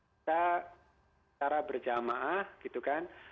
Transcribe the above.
kita secara berjamaah gitu kan